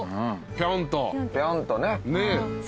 ぴょんとね。